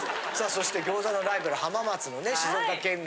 そして餃子のライバル浜松の静岡県民。